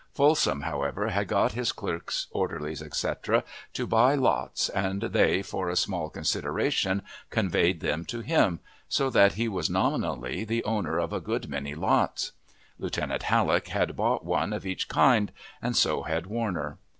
Folsom, however, had got his clerks, orderlies, etc., to buy lots, and they, for a small consideration, conveyed them to him, so that he was nominally the owner of a good many lots. Lieutenant Halleck had bought one of each kind, and so had Warner.